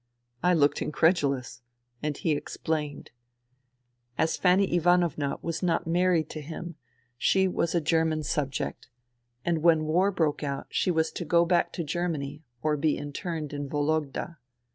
I looked incredulous, and he explained. As Fanny Ivanovna was not married to liim, she was a German subject, and when war broke out she was to THE REVOLUTION 91 go back to Germany or be interned in Vologda.